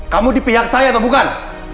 kamu di pihak saya atau bukan